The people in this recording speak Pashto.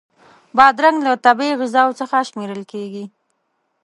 بادرنګ له طبعی غذاوو څخه شمېرل کېږي.